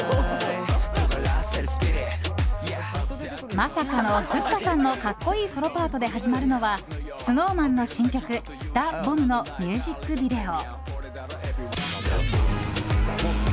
まさかの、ふっかさんの格好いいソロパートで始まるのはＳｎｏｗＭａｎの新曲「ＤＡＢＯＭＢ」のミュージックビデオ。